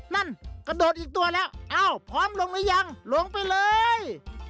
นั่นกระโดดอีกตัวแล้วอ้าวพร้อมลงหรือยังลงไปเลย